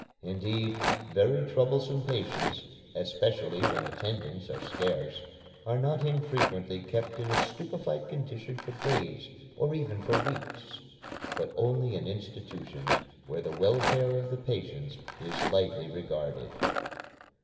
Indeed, very troublesome patients (especially when attendants are scarce) are not infrequently kept in a stupefied condition for days, or even for weeks but only in institutions where the welfare of the patients is lightly regarded.